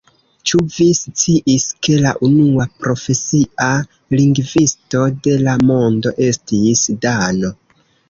Ĉu vi sciis ke la unua profesia lingvisto de la mondo estis dano?